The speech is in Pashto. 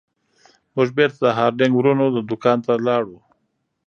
موږ بیرته د هارډینګ ورونو دکان ته لاړو.